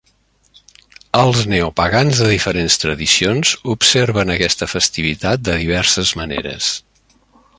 Els neopagans de diferents tradicions observen aquesta festivitat de diverses maneres.